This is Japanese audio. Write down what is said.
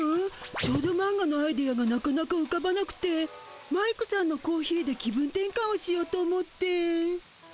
少女マンガのアイデアがなかなかうかばなくてマイクさんのコーヒーで気分転かんをしようと思って。